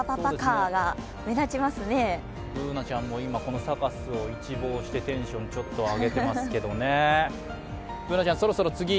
Ｂｏｏｎａちゃんも、このサカスを一望してテンションをちょっと上げていますけどね。